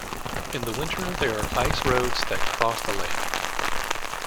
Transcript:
In the winter, there are ice roads that cross the lake.